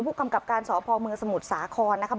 ผู้กำกับการสพเมืองสมุทรสาครนะคะ